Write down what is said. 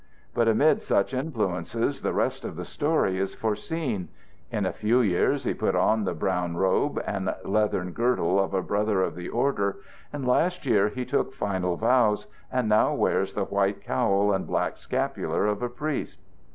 But amid such influences the rest of the story is foreseen; in a few years he put on the brown robe and leathern girdle of a brother of the order, and last year he took final vows, and now wears the white cowl and black scapular of a priest."